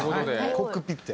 コックピットや。